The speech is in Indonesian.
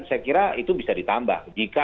saya kira itu bisa ditambah jika